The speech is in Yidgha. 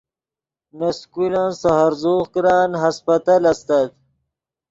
نے سکولن سے ہرزوغ کرن ہسپتل استت